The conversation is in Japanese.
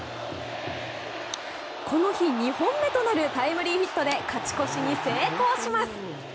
この日２本目となるタイムリーヒットで勝ち越しに成功します。